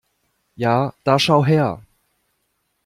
Ja da schau her!